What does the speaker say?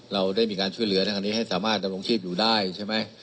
เราได้มีการช่วยเหลือในครั้งนี้ให้สามารถดำรงชีพอยู่ได้ใช่ไหม